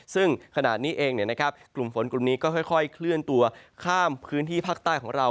ซึ่งขณะนี้เองกลุ่มฝนกลุ่มนี้ก็ค่อยเคลื่อนตัวข้ามพื้นที่ภาคใต้ของเรา